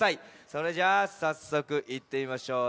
それじゃあさっそくいってみましょう。